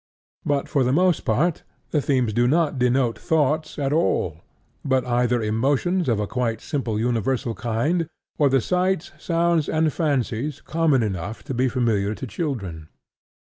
But for the most part the themes do not denote thoughts at all, but either emotions of a quite simple universal kind, or the sights, sounds and fancies common enough to be familiar to children.